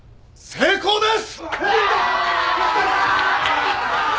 成功です！